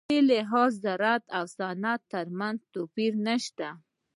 په دې لحاظ د زراعت او صنعت ترمنځ توپیر نشته.